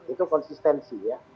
itu konsistensi ya